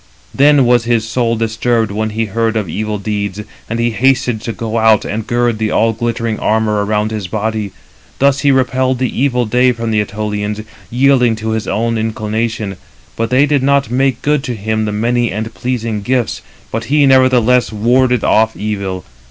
Then was his soul disturbed when he heard of evil deeds, and he hasted to go and gird the all glittering armour around his body. Thus he repelled the evil day from the Ætolians, yielding to his own inclination; but they did not make good to him the many and pleasing gifts; but he nevertheless warded off evil.